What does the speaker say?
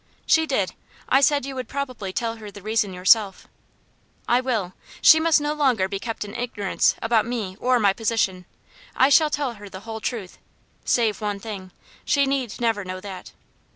"She did; I said you would probably tell her the reason yourself." "I will. She must no longer be kept in ignorance about me or my position. I shall tell her the whole truth save one thing. She need never know that."